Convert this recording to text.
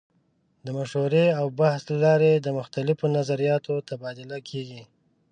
د مشورې او بحث له لارې د مختلفو نظریاتو تبادله کیږي.